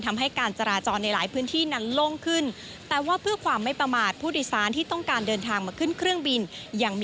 ทำให้การจราจรในหลายพื้นที่นั้นลงขึ้น